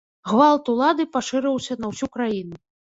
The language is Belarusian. Гвалт улады пашырыўся на ўсю краіну.